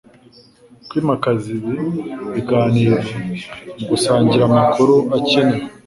kwimakaza ibi biganiro mu gusangira amakuru akenewe